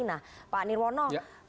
nah pak nirwono